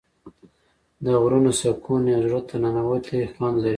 د غرونو سکون یو زړه ته ننووتی خوند لري.